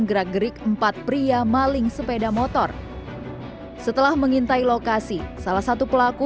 gerak gerik empat pria maling sepeda motor setelah mengintai lokasi salah satu pelaku